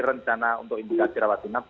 rencana untuk indikasi rawat inap